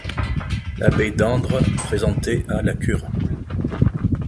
L'abbé d'Andres présentait à la cure.